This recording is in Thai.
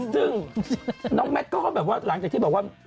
ซึ่งน้องแมทเขาก็แบบว่าหลังจากที่บอกว่า